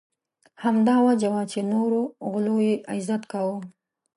همدا وجه وه چې نورو غلو یې عزت کاوه.